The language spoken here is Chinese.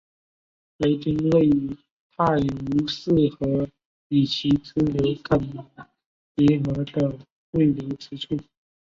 雷丁位于泰晤士河与其支流肯尼迪河的汇流之处。